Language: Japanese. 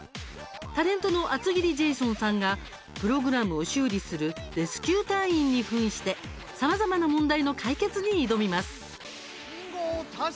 タレントの厚切りジェイソンさんがプログラムを修理するレスキュー隊員にふんしてさまざまな問題の解決に挑みます。